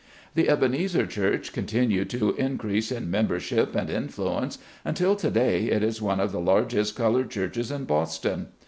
The Ebenezer Church continued to increase in membership and influence, until to day it is one of 114 SLAVE CABIN TO PULPIT. the largest colored churches in Boston.